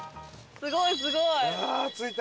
すごいすごい！